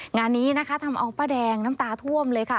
งานนี้นะคะทำเอาป้าแดงน้ำตาท่วมเลยค่ะ